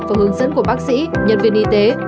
và hướng dẫn của bác sĩ nhân viên y tế